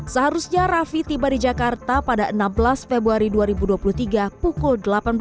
sejak saat itu bapak rafi tiba di jakarta pada enam belas februari dua ribu dua puluh tiga pukul delapan belas